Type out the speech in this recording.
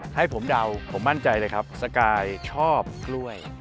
ให้ผมเดาผมมั่นใจเลยครับสกายชอบกล้วย